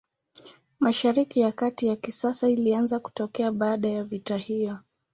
Mashariki ya Kati ya kisasa ilianza kutokea baada ya vita hiyo.